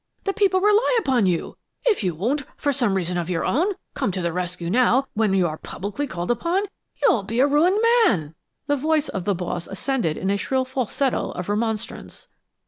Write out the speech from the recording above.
The people rely upon you! If you won't, for some reason of your own, come to the rescue now, when you are publicly called upon, you'll be a ruined man!" The voice of the Boss ascended in a shrill falsetto of remonstrance.